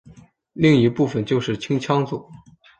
另一部分就是青羌族。